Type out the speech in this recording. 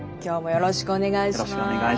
よろしくお願いします。